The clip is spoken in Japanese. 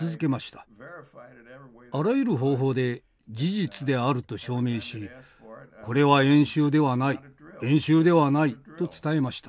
あらゆる方法で事実であると証明し「これは演習ではない演習ではない」と伝えました。